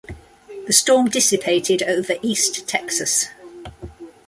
The storm dissipated over east Texas.